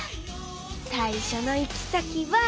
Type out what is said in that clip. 最初の行き先は。